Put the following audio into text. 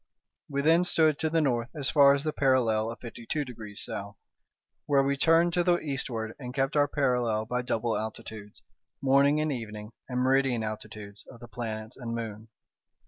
We then stood to the north as far as the parallel of fifty two degrees south, when we turned to the eastward, and kept our parallel by double altitudes, morning and evening, and meridian altitudes of the planets and moon.